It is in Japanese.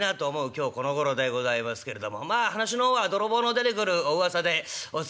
今日このごろでございますけれどもまあ噺の方は泥棒の出てくるおうわさでおつきあいを願いたいなと思います。